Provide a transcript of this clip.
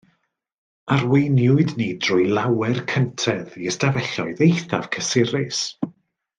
Arweiniwyd ni trwy lawer cyntedd i ystafelloedd eithaf cysurus.